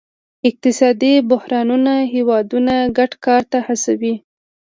اقتصادي بحرانونه هیوادونه ګډ کار ته هڅوي